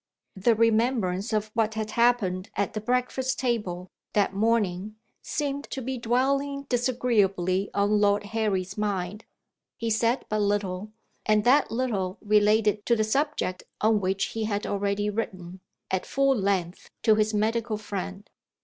The remembrance of what had happened at the breakfast table, that morning, seemed to be dwelling disagreeably on Lord Harry's mind. He said but little and that little related to the subject on which he had already written, at full length, to his medical friend.